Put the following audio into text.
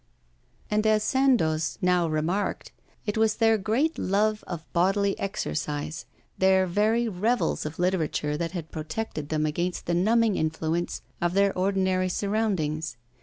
And as Sandoz now remarked, it was their great love of bodily exercise, their very revels of literature that had protected them against the numbing influence of their ordinary surroundings.